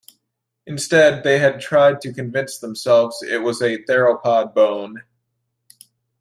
Instead they had tried to convince themselves it was a theropod bone.